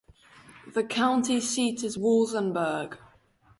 The county seat is Walsenburg.